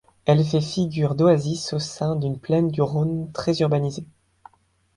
Elle fait figure d'oasis au sein d'une plaine du Rhône très urbanisée.